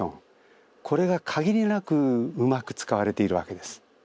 これが限りなくうまく使われているわけです。